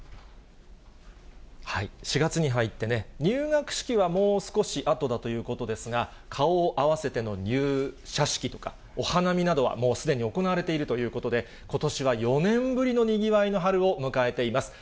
４月に入ってね、入学式はもう少しあとだということですが、顔を合わせての入社式とか、お花見などはもうすでに行われているということで、ことしは４年ぶりのにぎわいの春を迎えています。